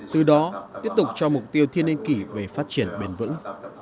từ đó tiếp tục cho mục tiêu thiên ninh kỷ về phát triển bền vững